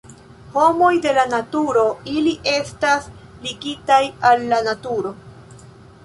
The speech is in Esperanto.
Homoj de la naturo, ili estas ligitaj al la naturo.